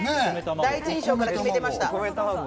第一印象から決めてました。